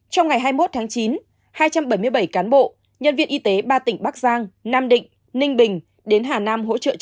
trong ngày hai mươi một tháng chín hai trăm bảy mươi bảy cán bộ nhân viên y tế ba tỉnh bắc giang nam định ninh bình đến hà nam hỗ trợ